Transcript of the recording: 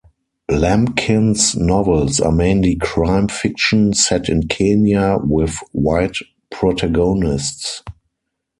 Lambkin's novels are mainly crime fiction set in Kenya with White protagonists.